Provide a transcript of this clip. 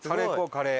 カレー。